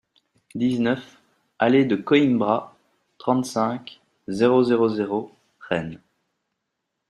dix-neuf allée de Coïmbra, trente-cinq, zéro zéro zéro, Rennes